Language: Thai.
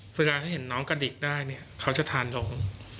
เวลาให้เห็นน้องกะดิกได้เขาจะทานลง